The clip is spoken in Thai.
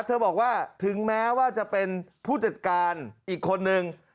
เธอบอกว่าถึงแม้ว่าจะเป็นผู้จัดการอีกคนนึง